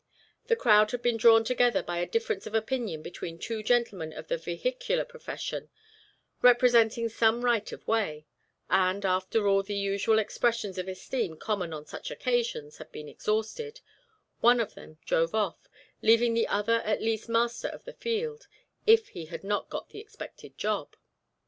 The crowd had been drawn together by a difference of opinion between two gentlemen of the vehicular profession, respecting some right of way, and, after all the usual expressions of esteem common on such occasions had been exhausted, one of them drove off, leaving the other at least master of the field, if he had not got the expected job.